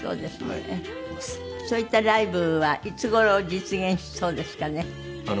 そういったライブはいつ頃実現しそうですかね？